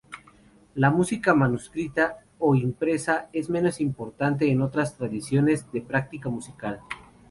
La música manuscrita o impresa es menos importante en otras tradiciones de práctica musical.